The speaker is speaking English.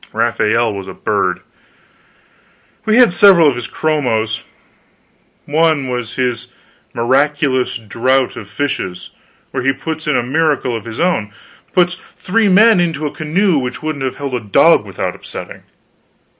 Raphael was a bird. We had several of his chromos; one was his "Miraculous Draught of Fishes," where he puts in a miracle of his own puts three men into a canoe which wouldn't have held a dog without upsetting.